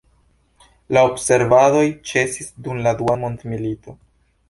La observadoj ĉesis dum la dua mondmilito.